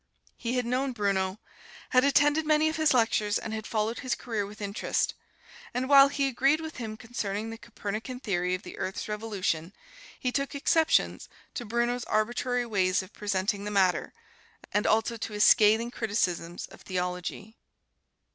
He had known Bruno, had attended many of his lectures, and had followed his career with interest; and while he agreed with him concerning the Copernican theory of the earth's revolution, he took exceptions to Bruno's arbitrary ways of presenting the matter, and also to his scathing criticisms of theology.